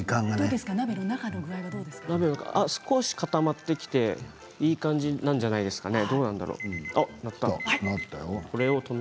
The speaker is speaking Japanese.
鍋の中少し固まってきていい感じじゃないですかね。